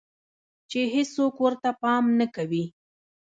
چې هيڅوک ورته پام نۀ کوي